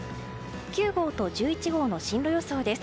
９号と１１号の進路予想です。